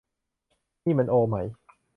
นี่มันโอไหม